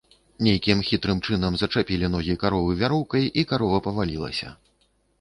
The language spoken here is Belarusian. Нейкім хітрым чынам зачапілі ногі каровы вяроўкай і карова павалілася.